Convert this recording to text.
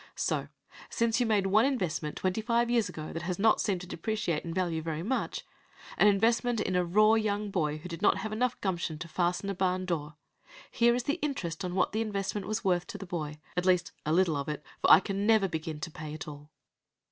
So, since you made one investment twenty five years ago that has not seemed to depreciate in value very much, an investment in a raw young boy who did not have enough gumption to fasten a barn door, here is the interest on what the investment was worth to the boy, at least a little of it; for I can never begin to pay it all.